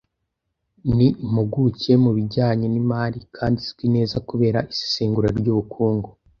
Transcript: Ni impuguke mu bijyanye n’imari kandi izwi neza kubera isesengura ry’ubukungu